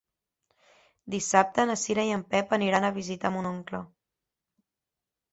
Dissabte na Cira i en Pep aniran a visitar mon oncle.